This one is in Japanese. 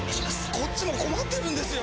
こっちも困ってるんですよ！